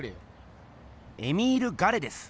エミール・ガレです。